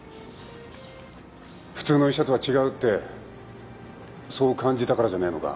普通の医者とは違うってそう感じたからじゃねえのか？